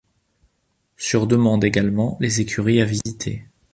Sur demande également les écuries à visiter.